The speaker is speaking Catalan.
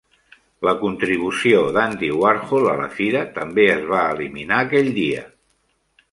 La contribució d'Andy Warhol a la fira també es va eliminar aquell dia.